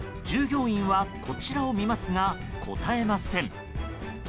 従業員は、こちらを見ますが答えません。